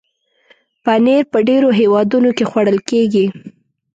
پنېر په ډېرو هېوادونو کې خوړل کېږي.